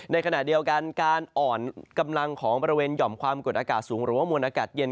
ในขณะเดียวกันการอ่อนกำลังของบริเวณหย่อมความกดอากาศสูงหรือว่ามวลอากาศเย็น